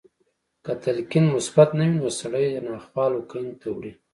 که تلقين مثبت نه وي نو سړی د ناخوالو کندې ته وړي.